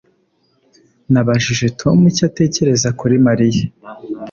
Nabajije Tom icyo atekereza kuri Mariya